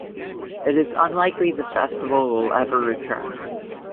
It is unlikely the festival will ever return.